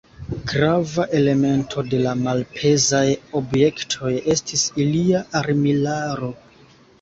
Grava elemento de la malpezaj objektoj estis ilia armilaro.